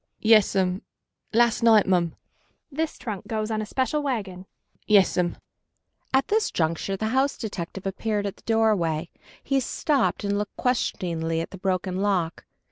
"Yes'm. Last night, mum." "This trunk goes on a special wagon." "Yes'm." At this juncture the house detective appeared at the doorway. He stopped and looked questioningly at the broken lock.